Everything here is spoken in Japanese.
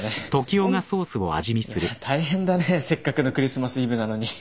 大変だねせっかくのクリスマスイブなのに。